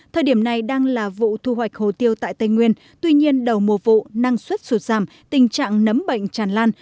thời điểm này đang là vụ thu hoạch hồ tiêu tại tây nguyên tuy nhiên đầu mùa vụ năng suất sụt giảm tình trạng nấm bệnh tràn lan